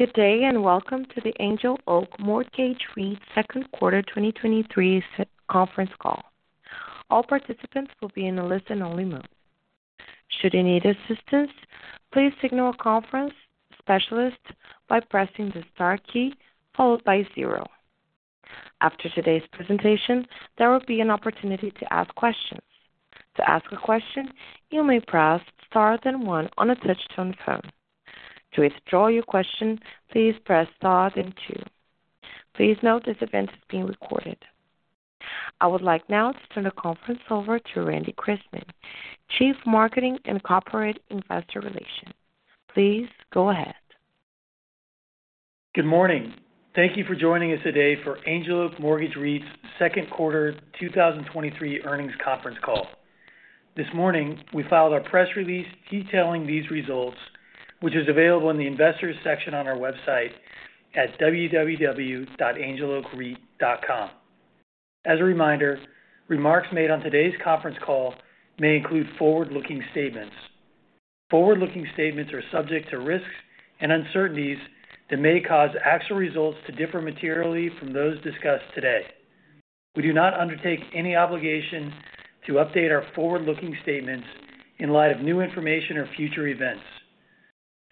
Good day, welcome to the Angel Oak Mortgage REIT Second Quarter 2023 conference call. All participants will be in a listen-only mode. Should you need assistance, please signal a conference specialist by pressing the Star key, followed by zero. After today's presentation, there will be an opportunity to ask questions. To ask a question, you may press Star then one on a touch-tone phone. To withdraw your question, please press Star then two. Please note this event is being recorded. I would like now to turn the conference over to Randy Chrisman, Chief Marketing and Corporate Investor Relations. Please go ahead. Good morning. Thank you for joining us today for Angel Oak Mortgage REIT's second quarter 2023 earnings conference call. This morning, we filed our press release detailing these results, which is available in the investors section on our website at www.angeloakreit.com. As a reminder, remarks made on today's conference call may include forward-looking statements. Forward-looking statements are subject to risks and uncertainties that may cause actual results to differ materially from those discussed today. We do not undertake any obligation to update our forward-looking statements in light of new information or future events.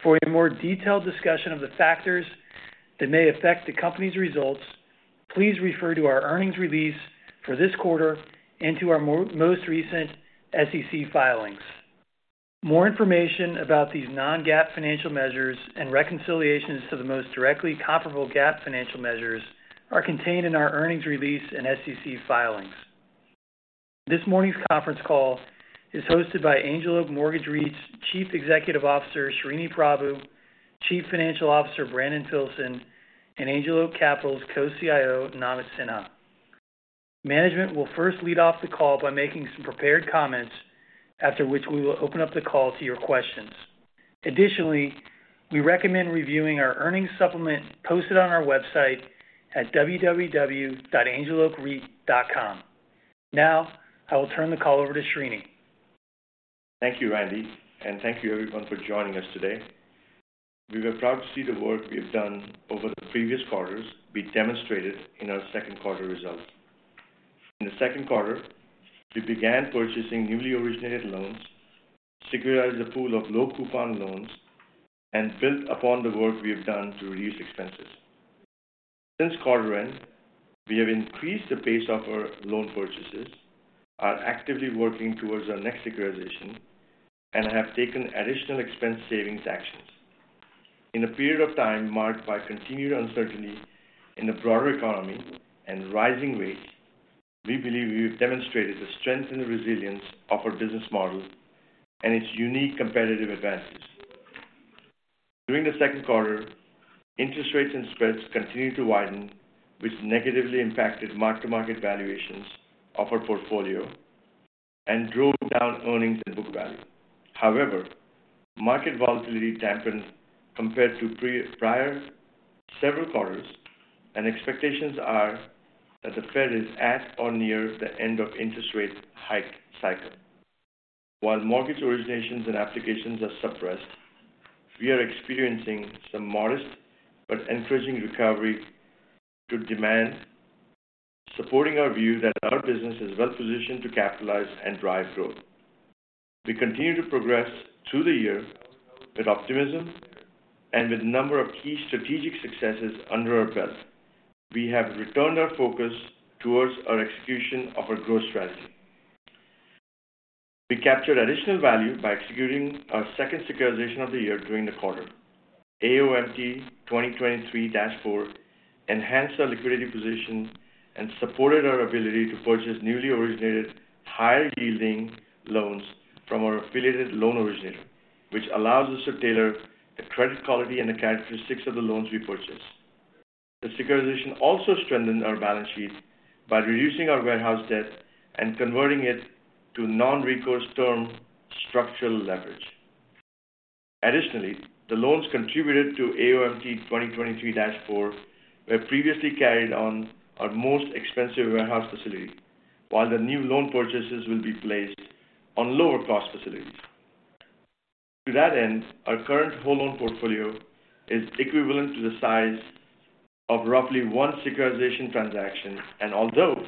For a more detailed discussion of the factors that may affect the company's results, please refer to our earnings release for this quarter and to our most recent SEC filings. More information about these non-GAAP financial measures and reconciliations to the most directly comparable GAAP financial measures are contained in our earnings release and SEC filings. This morning's conference call is hosted by Angel Oak Mortgage REIT's Chief Executive Officer, Sreeni Prabhu, Chief Financial Officer, Brandon Filson, and Angel Oak Capital's Co-CIO, Namit Sinha. Management will first lead off the call by making some prepared comments, after which we will open up the call to your questions. Additionally, we recommend reviewing our earnings supplement posted on our website at www.angeloakreit.com. Now, I will turn the call over to Srini. Thank you, Randy, thank you everyone for joining us today. We were proud to see the work we've done over the previous quarters be demonstrated in our second quarter results. In the second quarter, we began purchasing newly originated loans, securitized a pool of low-coupon loans, and built upon the work we have done to reduce expenses. Since quarter end, we have increased the pace of our loan purchases, are actively working towards our next securitization, and have taken additional expense savings actions. In a period of time marked by continued uncertainty in the broader economy and rising rates, we believe we have demonstrated the strength and the resilience of our business model and its unique competitive advantages. During the second quarter, interest rates and spreads continued to widen, which negatively impacted mark-to-market valuations of our portfolio and drove down earnings and book value. However, market volatility dampened compared to prior several quarters, and expectations are that the Fed is at or near the end of interest rate hike cycle. While mortgage originations and applications are suppressed, we are experiencing some modest but encouraging recovery to demand, supporting our view that our business is well positioned to capitalize and drive growth. We continue to progress through the year with optimism and with a number of key strategic successes under our belt. We have returned our focus towards our execution of our growth strategy. We captured additional value by executing our second securitization of the year during the quarter. AOMT 2023-4 enhanced our liquidity position and supported our ability to purchase newly originated, higher-yielding loans from our affiliated loan originator, which allows us to tailor the credit quality and the characteristics of the loans we purchase. The securitization also strengthened our balance sheet by reducing our warehouse debt and converting it to non-recourse term structural leverage. Additionally, the loans contributed to AOMT 2023-4 were previously carried on our most expensive warehouse facility, while the new loan purchases will be placed on lower-cost facilities. To that end, our current whole loan portfolio is equivalent to the size of roughly one securitization transaction, and although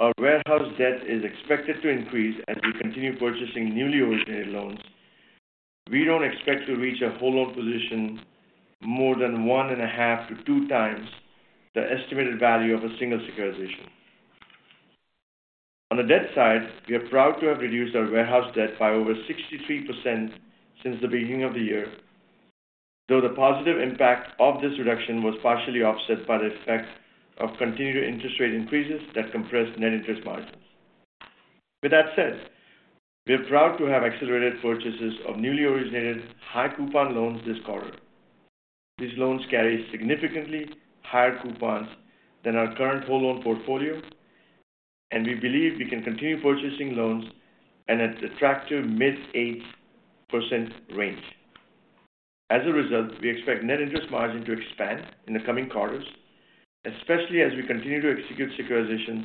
our warehouse debt is expected to increase as we continue purchasing newly originated loans, we don't expect to reach a whole loan position more than 1.5-2x the estimated value of a single securitization. On the debt side, we are proud to have reduced our warehouse debt by over 63% since the beginning of the year, though the positive impact of this reduction was partially offset by the effects of continued interest rate increases that compressed net interest margins. With that said, we are proud to have accelerated purchases of newly originated high-coupon loans this quarter. These loans carry significantly higher coupons than our current whole loan portfolio, and we believe we can continue purchasing loans and at attractive mid 8% range. As a result, we expect net interest margin to expand in the coming quarters, especially as we continue to execute securitizations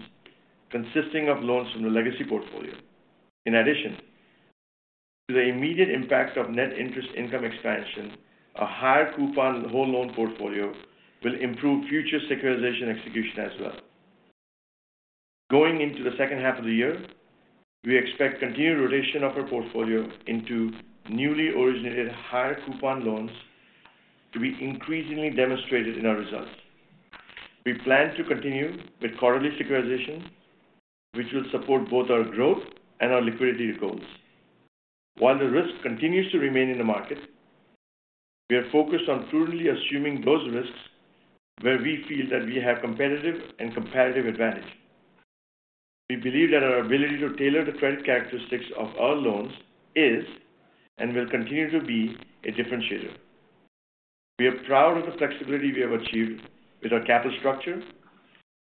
consisting of loans from the legacy portfolio. In addition to the immediate impact of net interest income expansion, a higher coupon whole loan portfolio will improve future securitization execution as well. Going into the second half of the year, we expect continued rotation of our portfolio into newly originated higher coupon loans to be increasingly demonstrated in our results. We plan to continue with quarterly securitization, which will support both our growth and our liquidity goals. While the risk continues to remain in the market, we are focused on prudently assuming those risks where we feel that we have competitive and comparative advantage. We believe that our ability to tailor the credit characteristics of our loans is, and will continue to be, a differentiator. We are proud of the flexibility we have achieved with our capital structure,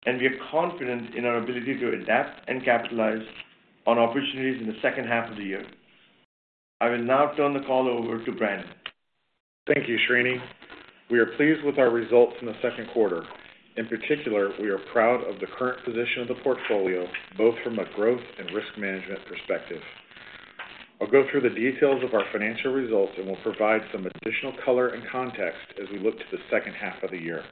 and we are confident in our ability to adapt and capitalize on opportunities in the second half of the year. I will now turn the call over to Brandon. Thank you, Srini. We are pleased with our results in the second quarter. In particular, we are proud of the current position of the portfolio, both from a growth and risk management perspective. I'll go through the details of our financial results, and we'll provide some additional color and context as we look to the second half of the year.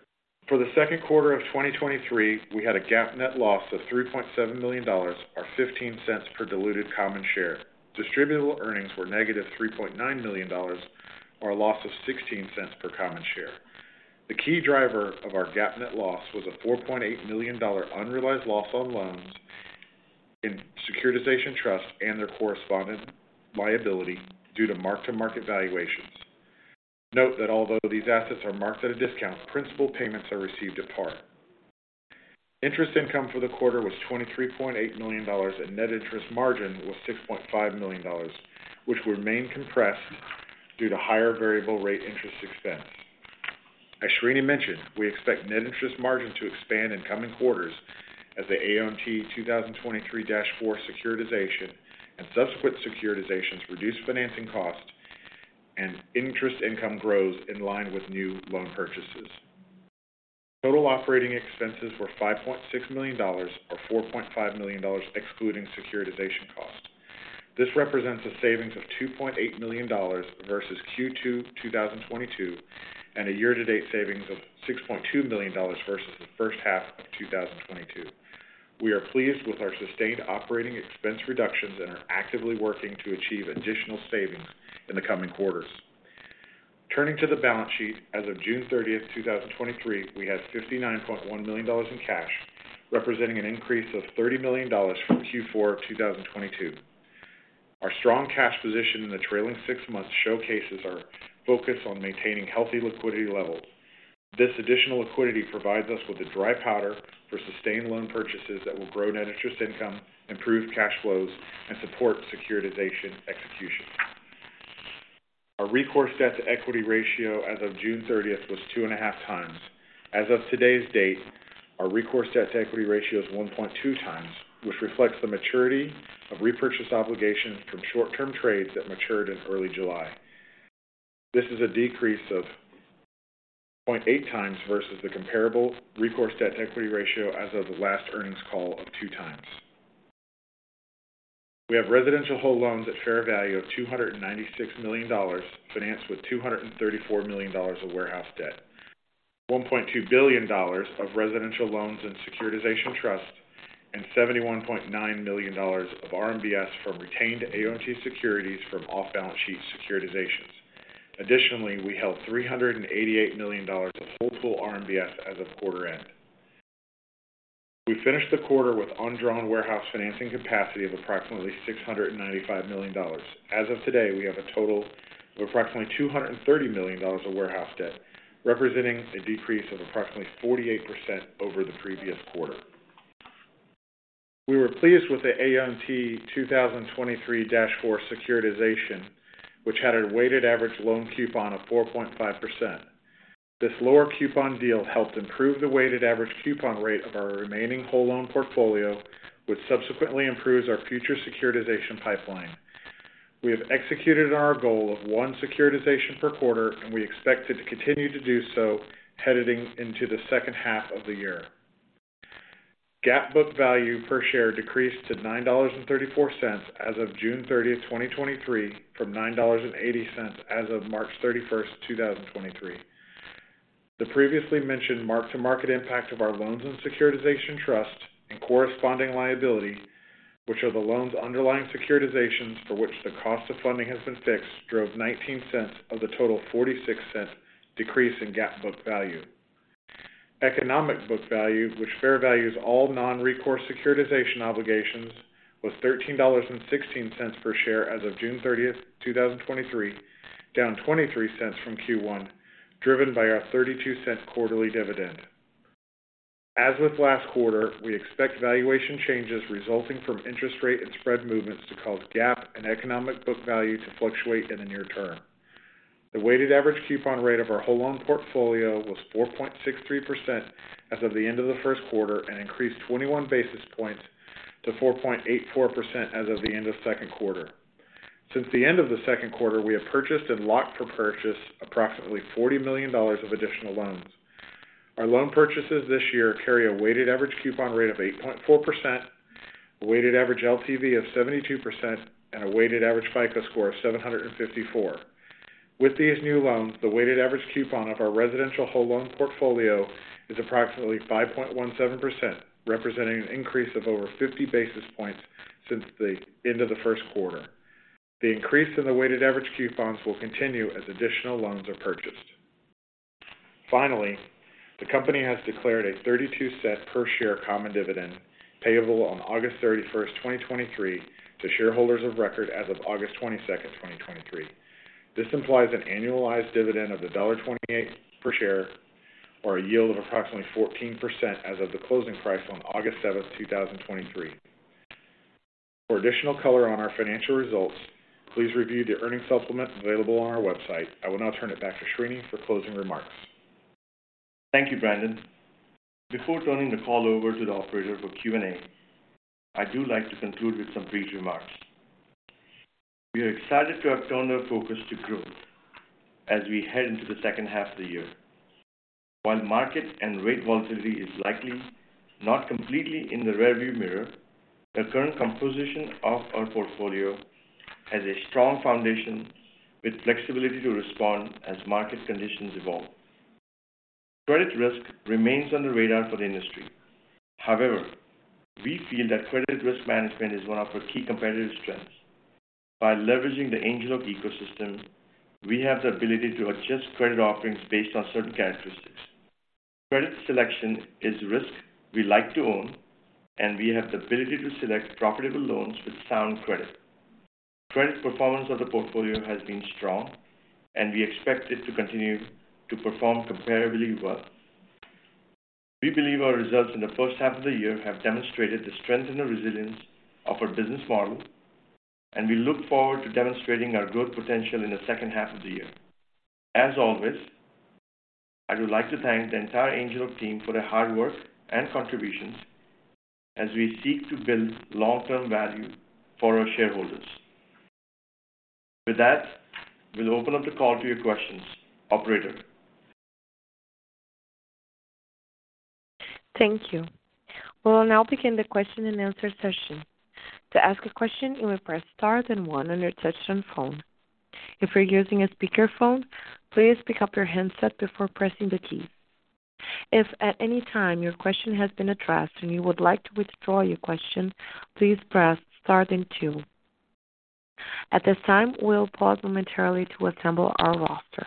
For the second quarter of 2023, we had a GAAP net loss of $3.7 million, or $0.15 per diluted common share. Distributable earnings were negative $3.9 million, or a loss of $0.16 per common share. The key driver of our GAAP net loss was a $4.8 million unrealized loss on loans in securitization trusts and their correspondent liability due to mark-to-market valuations. Note that although these assets are marked at a discount, principal payments are received at par. Interest income for the quarter was $23.8 million, and net interest margin was $6.5 million, which remained compressed due to higher variable rate interest expense. As Srini mentioned, we expect net interest margin to expand in coming quarters as the AOMT 2023-4 securitization and subsequent securitizations reduce financing costs and interest income grows in line with new loan purchases. Total operating expenses were $5.6 million, or $4.5 million, excluding securitization costs. This represents a savings of $2.8 million versus Q2 2022, and a year-to-date savings of $6.2 million versus the first half of 2022. We are pleased with our sustained operating expense reductions and are actively working to achieve additional savings in the coming quarters. Turning to the balance sheet, as of June 30th, 2023, we had $59.1 million in cash, representing an increase of $30 million from Q4 2022. Our strong cash position in the trailing six months showcases our focus on maintaining healthy liquidity levels. This additional liquidity provides us with a dry powder for sustained loan purchases that will grow net interest income, improve cash flows, and support securitization execution. Our recourse debt-to-equity ratio as of June 30 was 2.5x. As of today's date, our recourse debt-to-equity ratio is 1.2x, which reflects the maturity of repurchased obligations from short-term trades that matured in early July. This is a decrease of 0.8x versus the comparable recourse debt-to-equity ratio as of the last earnings call of 2x. We have residential whole loans at fair value of $296 million, financed with $234 million of warehouse debt, $1.2 billion of residential loans and securitization trusts, and $71.9 million of RMBS from retained AOMT securities from off-balance sheet securitizations. Additionally, we held $388 million of whole pool RMBS as of quarter end. We finished the quarter with undrawn warehouse financing capacity of approximately $695 million. As of today, we have a total of approximately $230 million of warehouse debt, representing a decrease of approximately 48% over the previous quarter. We were pleased with the AOMT 2023-4 securitization, which had a weighted average loan coupon of 4.5%. This lower coupon deal helped improve the weighted average coupon rate of our remaining whole loan portfolio, which subsequently improves our future securitization pipeline. We have executed on our goal of one securitization per quarter, and we expect to continue to do so heading into the second half of the year. GAAP book value per share decreased to $9.34 as of June 30th, 2023, from $9.80 as of March 31, 2023. The previously mentioned mark-to-market impact of our loans and securitization trust and corresponding liability, which are the loans underlying securitizations for which the cost of funding has been fixed, drove $0.19 of the total $0.46 decrease in GAAP book value. Economic book value, which fair values all non-recourse securitization obligations, was $13.16 per share as of June 30th, 2023, down $0.23 from Q1, driven by our $0.32 quarterly dividend. As with last quarter, we expect valuation changes resulting from interest rate and spread movements to cause GAAP and economic book value to fluctuate in the near-term. The weighted average coupon rate of our whole loan portfolio was 4.63% as of the end of the first quarter, and increased 21 basis points to 4.84% as of the end of second quarter. Since the end of the second quarter, we have purchased and locked for purchase approximately $40 million of additional loans. Our loan purchases this year carry a weighted average coupon rate of 8.4%, a weighted average LTV of 72%, and a weighted average FICO score of 754. With these new loans, the weighted average coupon of our residential whole loan portfolio is approximately 5.17%, representing an increase of over 50 basis points since the end of the first quarter. The increase in the weighted average coupons will continue as additional loans are purchased. Finally, the company has declared a $0.32 per share common dividend, payable on August 31st, 2023, to shareholders of record as of August 22nd, 2023. This implies an annualized dividend of $1.28 per share, or a yield of approximately 14% as of the closing price on August 7, 2023. For additional color on our financial results, please review the earnings supplement available on our website. I will now turn it back to Srini for closing remarks. Thank you, Brandon. Before turning the call over to the operator for Q&A, I do like to conclude with some brief remarks. We are excited to have turned our focus to growth as we head into the second half of the year. While market and rate volatility is likely not completely in the rearview mirror, the current composition of our portfolio has a strong foundation with flexibility to respond as market conditions evolve. Credit risk remains on the radar for the industry. However, we feel that credit risk management is one of our key competitive strengths. By leveraging the Angel Oak ecosystem, we have the ability to adjust credit offerings based on certain characteristics. Credit selection is risk we like to own, and we have the ability to select profitable loans with sound credit. Credit performance of the portfolio has been strong, and we expect it to continue to perform comparably well. We believe our results in the first half of the year have demonstrated the strength and the resilience of our business model, and we look forward to demonstrating our growth potential in the second half of the year. As always, I would like to thank the entire Angel Oak team for their hard work and contributions as we seek to build long-term value for our shareholders. With that, we'll open up the call to your questions. Operator? Thank you. We'll now begin the question-and-answer session. To ask a question, you may press Star then one on your touchtone phone. If you're using a speakerphone, please pick up your handset before pressing the key. If at any time your question has been addressed and you would like to withdraw your question, please press Star then two. At this time, we'll pause momentarily to assemble our roster.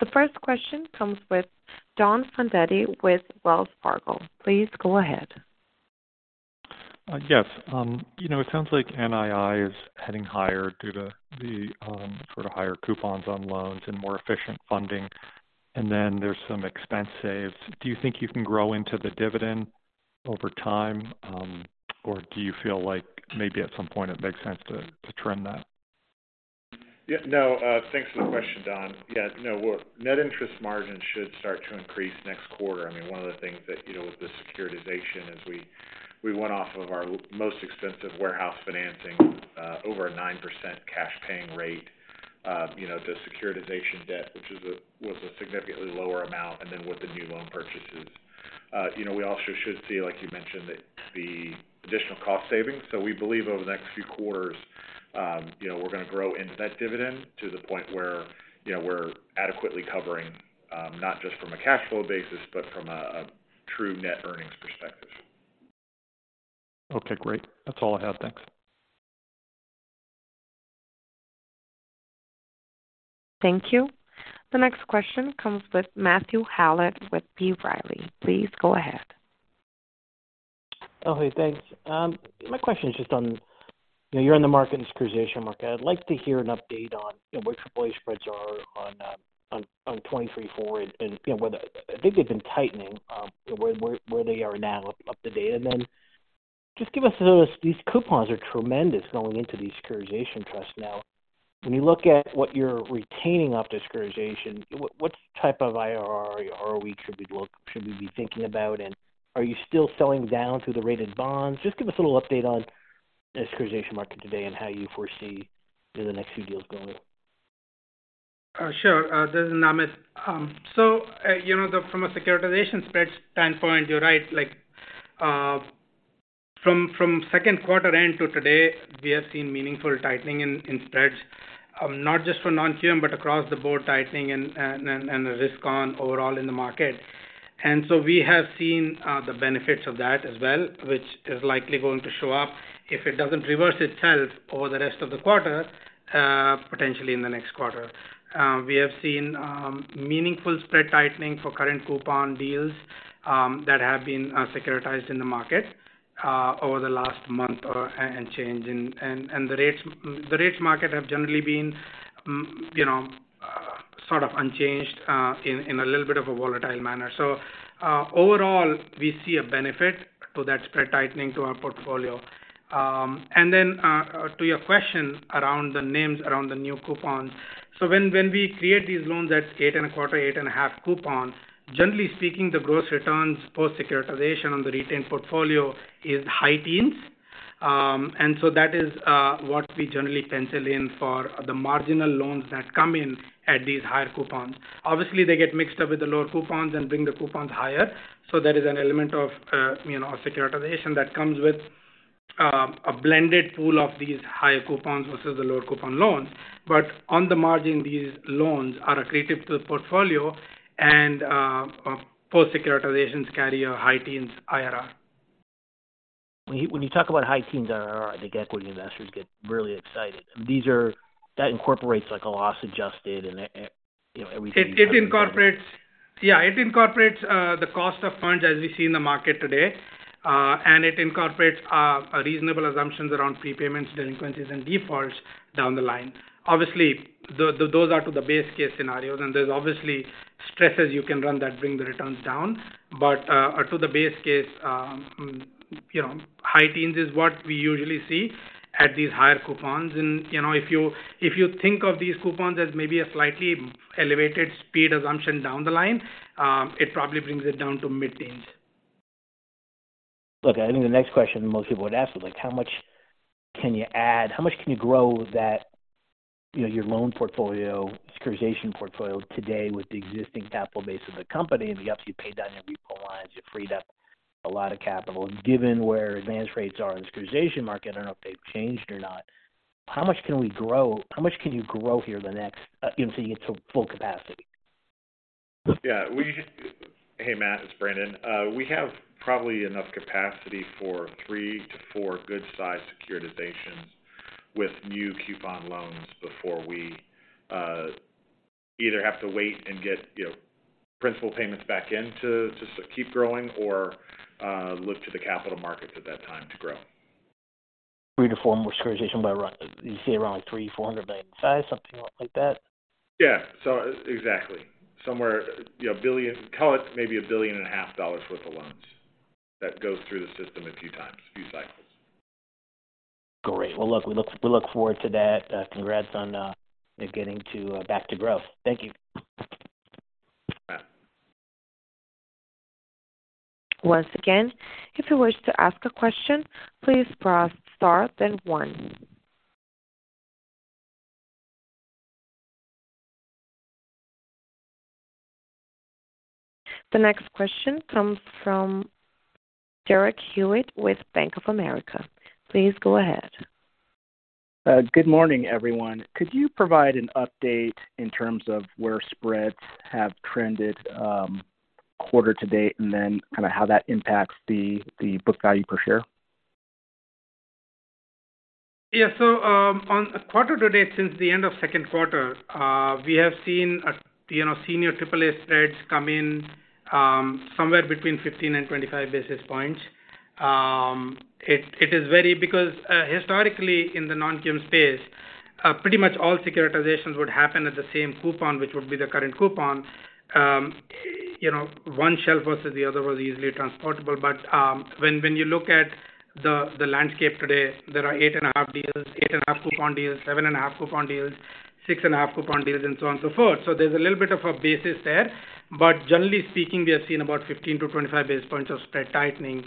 The first question comes with Don Fandetti with Wells Fargo. Please go ahead. Yes, you know, it sounds like NII is heading higher due to the sort of higher coupons on loans and more efficient funding, and then there's some expense saves. Do you think you can grow into the dividend over time, or do you feel like maybe at some point it makes sense to, to trim that? Yeah. No, thanks for the question, Don. Yeah, no, net interest margin should start to increase next quarter. I mean, one of the things that, you know, with the securitization is we, we went off of our most expensive warehouse financing, over a 9% cash paying rate. You know, the securitization debt, which was a significantly lower amount and then with the new loan purchases. You know, we also should see, like you mentioned, that the additional cost savings. We believe over the next few quarters, you know, we're going to grow into that dividend to the point where, you know, we're adequately covering, not just from a cash flow basis, but from a, a true net earnings perspective. Okay, great. That's all I have. Thanks. Thank you. The next question comes with Matthew Howlett with B. Riley. Please go ahead. Okay, thanks. My question is just on, you know, you're in the market, securitization market. I'd like to hear an update on, you know, where AAA spreads are on AOMT 2023-4, and, you know, whether I think they've been tightening, where they are now up to date. Then just give us these coupons are tremendous going into these securitization trusts. Now, when you look at what you're retaining off the securitization, what type of IRR or ROE should we look, should we be thinking about? Are you still selling down to the rated bonds? Just give us a little update on the securitization market today and how you foresee the next few deals going. Sure. This is Namit. So, you know, from a securitization spreads standpoint, you're right. Like, from, from second quarter end to today, we have seen meaningful tightening in, in spreads, not just for non-QM, but across the board, tightening and, and, and, and the risk on overall in the market. So we have seen the benefits of that as well, which is likely going to show up if it doesn't reverse itself over the rest of the quarter, potentially in the next quarter. We have seen meaningful spread tightening for current coupon deals that have been securitized in the market over the last month or, and changing. The rates, the rates market have generally been, you know, sort of unchanged, in a little bit of a volatile manner. Overall, we see a benefit to that spread tightening to our portfolio. To your question around the names, around the new coupons. When we create these loans at 8.25, 8.5 coupons, generally speaking, the gross returns post-securitization on the retained portfolio is high teens. That is what we generally pencil in for the marginal loans that come in at these higher coupons. Obviously, they get mixed up with the lower coupons and bring the coupons higher. There is an element of, you know, securitization that comes with a blended pool of these higher coupons versus the lower coupon loans. On the margin, these loans are accretive to the portfolio and post-securitizations carry a high teens IRR. When you, when you talk about high teens IRR, I think equity investors get really excited. That incorporates, like, a loss-adjusted and, you know, everything. Yeah, it incorporates the cost of funds as we see in the market today, and it incorporates a reasonable assumptions around prepayments, delinquencies, and defaults down the line. Obviously, those are to the base case scenarios, and there's obviously stresses you can run that bring the returns down. To the base case, you know, high teens is what we usually see at these higher coupons and, you know, if you, if you think of these coupons as maybe a slightly elevated speed assumption down the line, it probably brings it down to mid-teens. Look, I think the next question most people would ask is, like, how much can you add? How much can you grow that, you know, your loan portfolio, securitization portfolio today with the existing capital base of the company, and you obviously paid down your repo lines, you freed up a lot of capital. And given where advance rates are in the securitization market, I don't know if they've changed or not, how much can we grow? How much can you grow here the next, you know, till you get to full capacity? Yeah, Hey, Matt, it's Brandon. We have probably enough capacity for three to four good-sized securitizations with new coupon loans before we either have to wait and get, you know, principal payments back in to just to keep growing or look to the capital markets at that time to grow. $300 million-$4 million more securitization by around, you see around $300 million-$400 million in size, something like that? Yeah. Exactly. Somewhere, you know, call it maybe $1.5 billion worth of loans that goes through the system a few times, a few cycles. Great. Well, look, we look, we look forward to that. Congrats on getting to back to growth. Thank you. Bye. Once again, if you wish to ask a question, please press Star, then one. The next question comes from Derek Hewett with Bank of America. Please go ahead. Good morning, everyone. Could you provide an update in terms of where spreads have trended, quarter to date, and then kinda how that impacts the, the book value per share? Yeah. On a quarter to date since the end of second quarter, we have seen a, you know, senior AAA spreads come in somewhere between 15 and 25 basis points. It, it is very because historically in the non-QM space, pretty much all securitizations would happen at the same coupon, which would be the current coupon. You know, one shelf versus the other was easily transportable. When, when you look at the landscape today, there are 8.5 deals, 8.5 coupon deals, 7.5 coupon deals, 6.5 coupon deals, and so on, so forth. there's a little bit of a basis there, but generally speaking, we have seen about 15 to 25 basis points of spread tightening,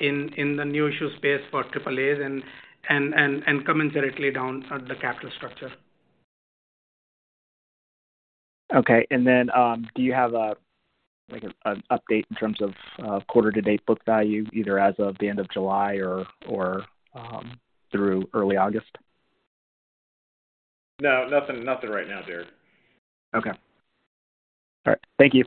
in, in the new issue space for AAAs and, and, and, and commensurately down the capital structure. Okay. Do you have a like an update in terms of quarter-to-date book value, either as of the end of July or through early August? No, nothing, nothing right now, Derek. Okay. All right. Thank you.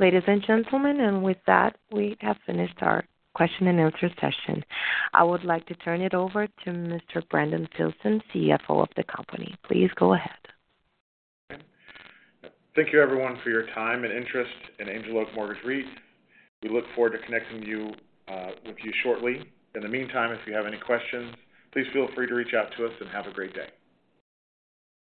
Ladies and gentlemen, with that, we have finished our question-and-answer session. I would like to turn it over to Mr. Brandon Filson, CFO of the company. Please go ahead. Thank you, everyone, for your time and interest in Angel Oak Mortgage REIT. We look forward to connecting with you shortly. In the meantime, if you have any questions, please feel free to reach out to us, and have a great day.